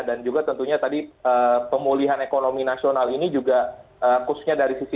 dan juga tentunya tadi pemulihan ekonomi nasional ini juga khususnya dari situasi